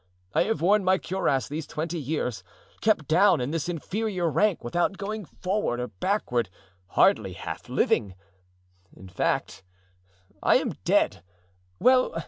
I have worn my cuirass these twenty years, kept down in this inferior rank, without going forward or backward, hardly half living. In fact, I am dead. Well!